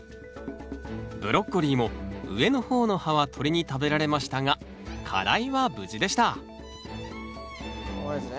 ブロッコリーも上の方の葉は鳥に食べられましたが花蕾は無事でしたここですね。